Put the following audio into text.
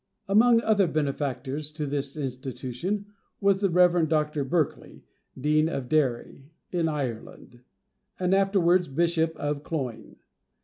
Among other benefactors to this institution was the Rev. Dr. Berkeley, Dean of Derry, in Ireland, and afterwards Bishop of Cloyne.